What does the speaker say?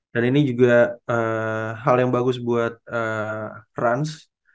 dan ini juga hal yang bagus buat rans